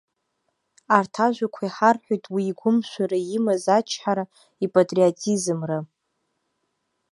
Арҭ ажәақәа иҳарҳәоит уи игәымшәыра, имаз ачҳара, ипатриотизмра.